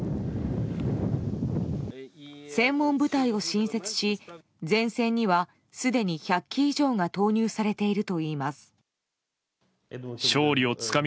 専門部隊を新設し前線には、すでに１００機以上が投入されているといいます。